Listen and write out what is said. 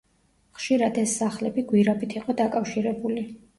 ხშირად ეს სახლები გვირაბით იყო დაკავშირებული.